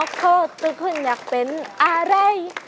ในหัวโคตรทุกคนอยากเป็นอะไร